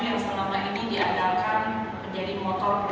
yang selama ini diandalkan menjadi motor